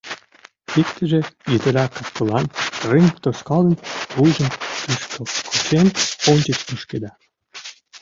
Иктыже йытыра капкылан, рыҥ тошкалын, вуйжым кӱшкӧ кучен, ончыч ошкеда.